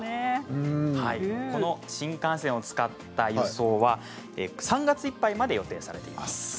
この新幹線を使った輸送は３月いっぱいまで予定されています。